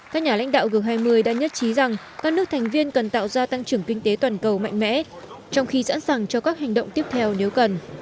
các nhà lãnh đạo g hai mươi đã nhất trí rằng các nước thành viên cần tạo ra tăng trưởng kinh tế toàn cầu mạnh mẽ trong khi sẵn sàng cho các hành động tiếp theo nếu cần